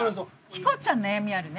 ヒコちゃん悩みあるね？